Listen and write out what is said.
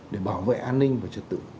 để bảo vệ an ninh và trật tự